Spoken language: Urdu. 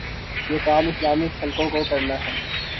یہ کام اسلامسٹ حلقوں کوکرنا چاہیے۔